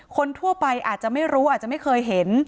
คนทั่วไปอาจจะไม่รู้อาจจะไม่เคยเห็น